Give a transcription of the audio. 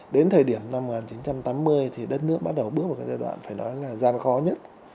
đến thời điểm năm một nghìn chín trăm tám mươi thì đất nước bắt đầu bước vào cái giai đoạn phải nói là gian khó nhất